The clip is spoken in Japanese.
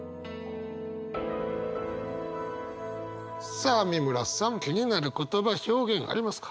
さあ美村さん気になる言葉表現ありますか？